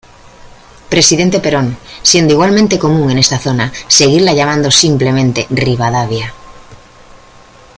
Presidente Perón", siendo igualmente común en esta zona, seguirla llamando simplemente "Rivadavia".